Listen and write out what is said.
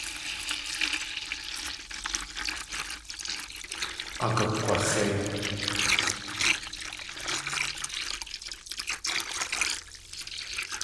Áa gug̲wax̲éi.